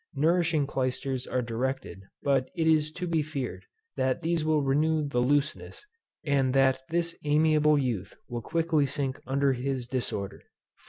Nourishing clysters are directed; but it is to be feared that these will renew the looseness, and that this amiable youth will quickly sink under his disorder.